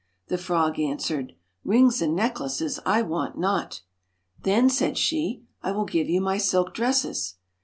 The frog answered :' Rings and necklaces I want not* 'Then/ said she, 'I will give you my silk dresses.'